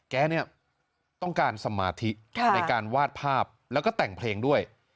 แกเนี่ยต้องการสมาธิในการวาดภาพแล้วก็แต่งเพลงด้วย